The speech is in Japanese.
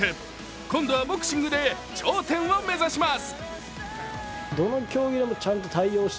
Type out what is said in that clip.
今度はボクシングで頂点を目指します。